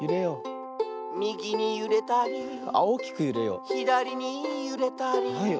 「みぎにゆれたり」「ひだりにゆれたり」